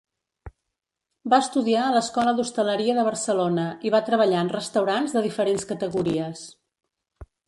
Va estudiar a l'Escola d'Hostaleria de Barcelona i va treballar en restaurants de diferents categories.